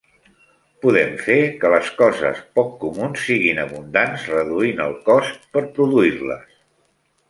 Podem fer que les coses poc comuns siguin abundants reduint els costs per produir-les.